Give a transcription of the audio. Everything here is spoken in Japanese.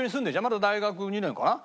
まだ大学２年かな？